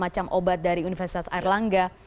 macam obat dari universitas airlangga